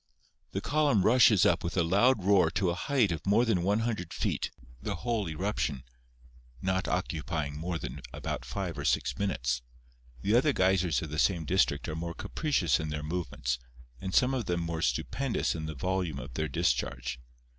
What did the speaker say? The column rushes up with a loud roar to a height of more than 100 feet, the whole eruption not occupying more than about five or six minutes. The other geysers of the same district are more capricious in their movements, and some of them more stupendous in the volume of their discharge.